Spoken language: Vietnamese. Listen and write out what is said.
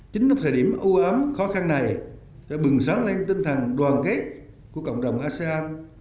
chính trong thời điểm ưu ám khó khăn này đã bừng sáng lên tinh thần đoàn kết của cộng đồng asean